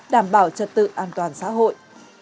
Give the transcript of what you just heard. đảm bảo trật tự an toàn xã hội